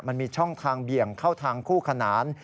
มันมีช่องทางเบี่ยงเข้าทางคู่ขนาน